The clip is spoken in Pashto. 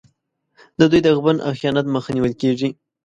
د دوی د غبن او خیانت مخه نیول کېږي.